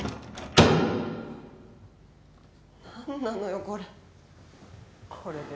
何なのよこれ。